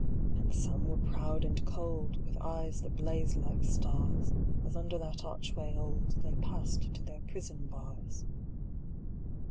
And some were proud and cold, With eyes that blazed like stars, As under that archway old They passed to their prison bars.